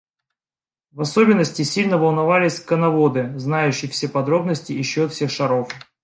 В особенности сильно волновались коноводы, знающие все подробности и счет всех шаров.